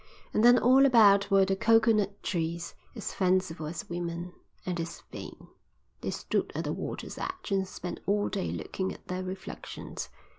And then all about were the coconut trees, as fanciful as women, and as vain. They stood at the water's edge and spent all day looking at their reflections.